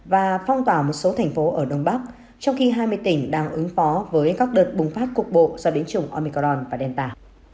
và phong tỏa một số thành phố ở đông bắc trong khi hai mươi tỉnh đang ứng phó với các đợt bùng phát cục bộ do biến chủng omicron và delta